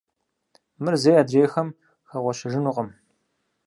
Мыр зэи адрейхэм хэгъуэщэжынукъым.